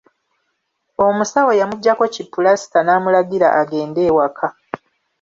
Omusawo yamuggyako ki pulasita n'amulagira agende ewaka.